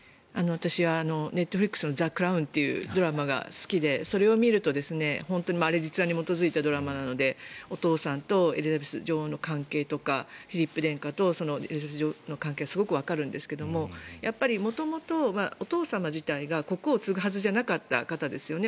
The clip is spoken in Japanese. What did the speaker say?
私はネットフリックスの「ザ・クラウン」というドラマが好きでそれを見ると本当に、あれは実話に基づいたドラマなのでお父さんとエリザベス女王の関係とかフィリップ殿下とエリザベス女王の関係がすごくわかるんですがやっぱり元々、お父様自体が国王を継ぐはずじゃなかった人ですよね。